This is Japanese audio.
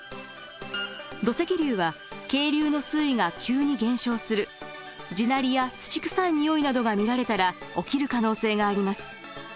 土石流は渓流の水位が急に減少する地鳴りや土臭いにおいなどが見られたら起きる可能性があります。